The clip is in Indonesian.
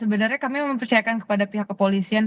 sebenarnya kami mempercayakan kepada pihak kepolisian